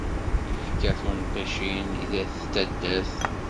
Yefka tunṭicin i At taddart.